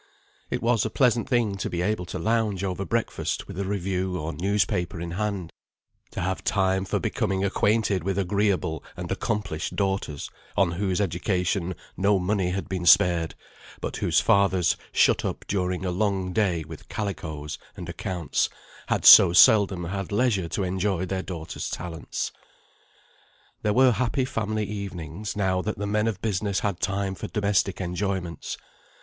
It was a pleasant thing to be able to lounge over breakfast with a review or newspaper in hand; to have time for becoming acquainted with agreeable and accomplished daughters, on whose education no money had been spared, but whose fathers, shut up during a long day with calicoes and accounts, had so seldom had leisure to enjoy their daughters' talents. There were happy family evenings, now that the men of business had time for domestic enjoyments.